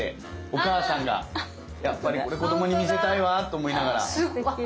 お母さんがやっぱりこれ子供に見せたいわと思いながら。